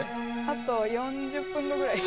あと４０分後ぐらい。